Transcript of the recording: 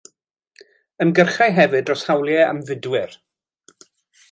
Ymgyrchai hefyd dros hawliau ymfudwyr.